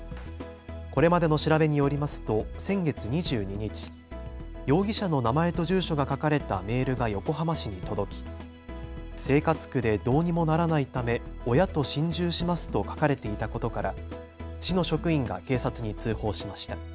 これまでの調べによりますと先月２２日、容疑者の名前と住所が書かれたメールが横浜市に届き、生活苦でどうにもならないため親と心中しますと書かれていたことから市の職員が警察に通報しました。